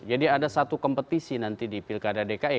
jadi ada satu kompetisi nanti di pilkada dki